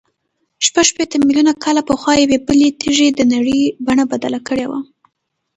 شپږ شپېته میلیونه کاله پخوا یوې بلې تېږې د نړۍ بڼه بدله کړې وه.